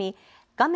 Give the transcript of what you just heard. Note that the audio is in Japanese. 画面